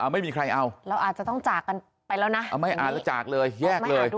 ไม่มีใครเอาเราอาจจะต้องจากกันไปแล้วนะไม่อ่านแล้วจากเลยแยกเลย